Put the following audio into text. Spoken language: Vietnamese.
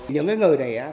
những người này